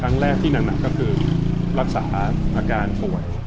ครั้งแรกที่หนักก็คือรักษาอาการป่วย